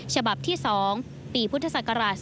ฉบับที่๒ปีพศ๒๕๕๐